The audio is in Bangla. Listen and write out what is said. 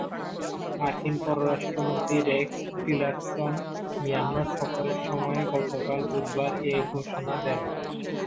মার্কিন পররাষ্ট্রমন্ত্রী রেক্স টিলারসন মিয়ানমার সফরের সময় গতকাল বুধবার এ ঘোষণা দেন।